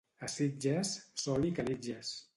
A Sitges, sol i calitges.